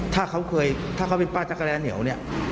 ถ้าเขาเคยถ้าเขาเป็นป้าจักรแลเหนียวเนี่ย